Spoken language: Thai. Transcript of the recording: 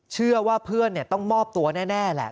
เชื่อว่าเพื่อนต้องมอบตัวแน่แหละ